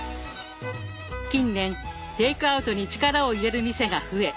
近年テイクアウトに力を入れる店が増え